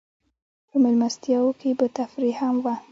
په مېلمستیاوو کې به تفریح هم وه.